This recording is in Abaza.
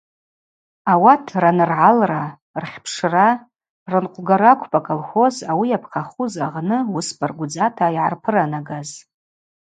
Ауат раныргӏалра, рхьпшра, рынкъвгара акӏвпӏ аколхоз ауи йапхъахуз агъны уыс баргвдзата йгӏарпыранагаз.